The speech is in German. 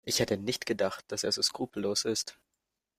Ich hätte nicht gedacht, dass er so skrupellos ist.